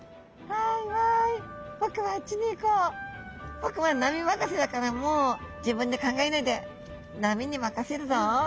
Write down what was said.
僕は波任せだからもう自分で考えないで波に任せるぞ。